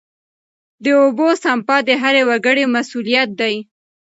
د اوبو سپما د هر وګړي مسوولیت دی.